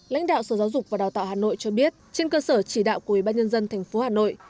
lãnh đạo sở giáo dục và đào tạo hà nội cho biết trên cơ sở chỉ đạo của ubnd tp hà nội